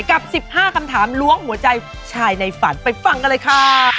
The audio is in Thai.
กับ๑๕คำถามล้วงหัวใจชายในฝันไปฟังกันเลยค่ะ